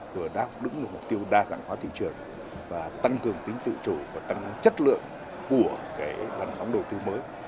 vừa đáp ứng được mục tiêu đa dạng phá thị trường và tăng cường tính tự chủ và tăng chất lượng của lần sóng đầu tư mới